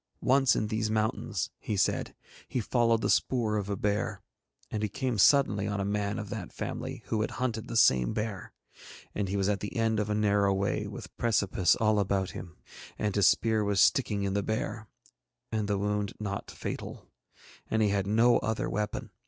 Once in these mountains, he said, he followed the spoor of a bear, and he came suddenly on a man of that family who had hunted the same bear, and he was at the end of a narrow way with precipice all about him, and his spear was sticking in the bear, and the wound not fatal, and he had no other weapon.